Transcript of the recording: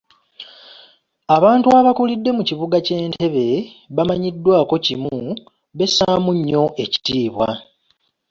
Abantu abakulidde mu kibuga ky’e Ntebe bamanyiddwako kimu bessaamu nnyo ekitiibwa.